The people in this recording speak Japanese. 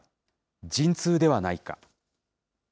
陣痛ではないか。